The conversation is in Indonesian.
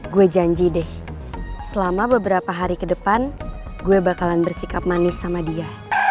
gue janji deh selama beberapa hari ke depan gue bakalan bersikap manis sama dia